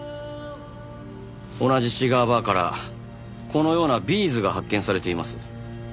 同じシガーバーからこのようなビーズが発見されています。